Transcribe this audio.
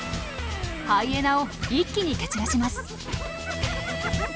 ハイエナを一気に蹴散らします。